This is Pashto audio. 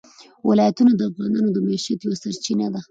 ولایتونه د افغانانو د معیشت یوه سرچینه ده.